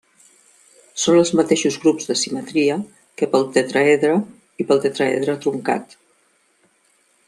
Són els mateixos grups de simetria que pel tetràedre i pel tetràedre truncat.